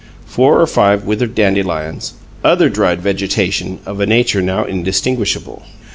Four or five withered dandelions. Other dried vegetation, of a nature now indistinguishable.